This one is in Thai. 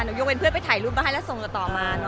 ยกเป็นเพื่อนไปถ่ายรูปมาให้แล้วส่งต่อมา